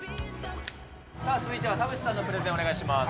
続いては田渕さんのプレゼン、お願いします。